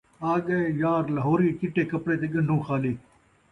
آڳئے یار لہوری چٹے کپڑے تے ڳن٘ڈھوں خالی